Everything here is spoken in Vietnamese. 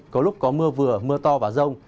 có lúc có mưa vừa mưa to và rông